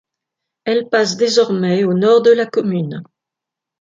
Elle passe désormais au nord de la commune.